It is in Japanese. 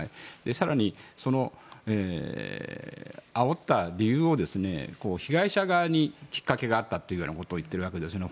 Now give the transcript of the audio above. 更に、そのあおった理由を被害者側にきっかけがあったというようなことを言っているわけですね。